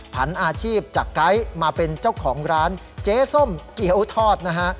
ผันอาชีพจากไก๊มาเป็นเจ้าของร้านเจ๊ส้มเกี้ยวทอดนะฮะ